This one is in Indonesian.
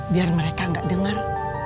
biar mereka gak denger